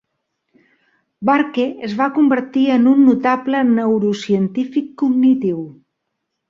Barke es va convertir en un notable neurocientífic cognitiu.